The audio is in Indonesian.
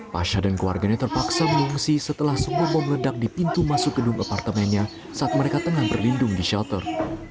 pasha dan keluarganya terpaksa mengungsi setelah semua bom ledak di pintu masuk gedung apartemennya saat mereka tengah berlindung di shelter